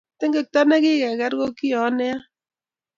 Tekyot nikikaker ko kio nea